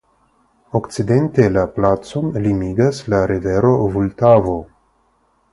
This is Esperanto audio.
Okcidente la placon limigas la rivero Vultavo.